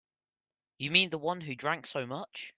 You mean the one who drank so much?